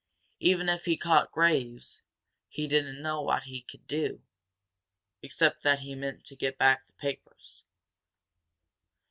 Even if he caught Graves, he didn't know what he could do, except that he meant to get back the papers.